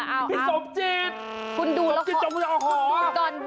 อ้าวพี่สมจิตสมจิตผมต้องเอาขอ